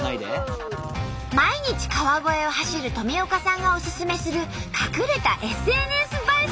毎日川越を走る富岡さんがおすすめする隠れたＳＮＳ映え